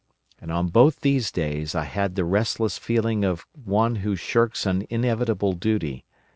And on both these days I had the restless feeling of one who shirks an inevitable duty.